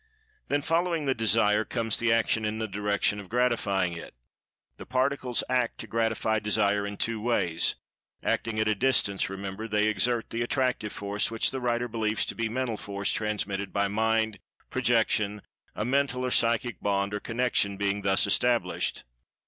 Then, following the Desire, comes the action in the direction of gratifying it. The Particles act to gratify Desire in two ways—acting at a "distance," remember—they exert the Attractive Force, which the writer believes to be Mental Force, transmitted by Mind, projection, a mental or psychic bond or connection being thus established.